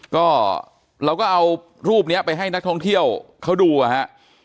ก็เราก็เอารูปนี้ไปให้นักท่องเที่ยวเขาดูอ่ะฮะ